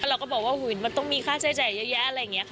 เราก็บอกว่ามันต้องมีค่าใจเยอะอะไรอย่างเงี้ย